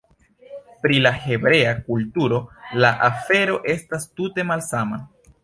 Pri la hebrea kulturo, la afero estas tute malsama.